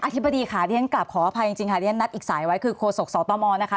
อธิบดีค่ะที่ฉันกลับขออภัยจริงค่ะที่ฉันนัดอีกสายไว้คือโครสกสตมนะคะ